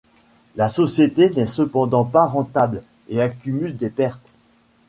La société n'est cependant pas rentable et accumule des pertes.